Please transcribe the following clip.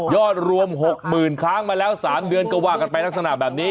รวม๖๐๐๐ค้างมาแล้ว๓เดือนก็ว่ากันไปลักษณะแบบนี้